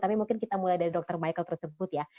tapi mungkin kita mulai dari dr michael tersebut ya